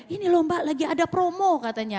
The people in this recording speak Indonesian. ini lomba lagi ada promo katanya